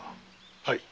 はい。